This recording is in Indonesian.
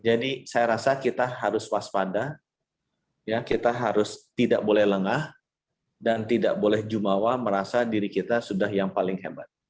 jadi saya rasa kita harus waspada kita harus tidak boleh lengah dan tidak boleh jumawa merasa diri kita sudah yang paling hebat